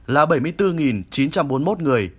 là bảy mươi bốn chín trăm bốn mươi một người